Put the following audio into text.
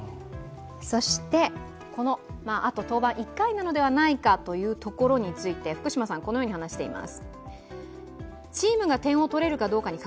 そしてあと登板１回なのではないかということについて福島さんはこのように話しています。